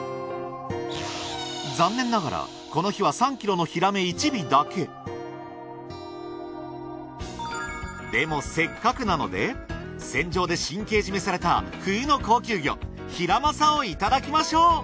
残念ながらこの日は３ｋｇのヒラメ１尾だけでもせっかくなので船上で神経締めされた冬の高級魚ヒラマサをいただきましょう！